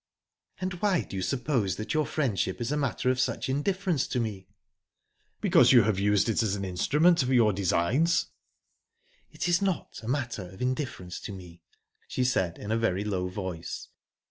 "And why do you suppose that your friendship is a matter of such indifference to me?" "Because you have used it as an instrument for your designs." "It is not a matter of indifference to me," she said, in a very low voice..."